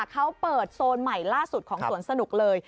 เขาเปิดโซนใหม่ล่าสุดของสวนสนุกเลย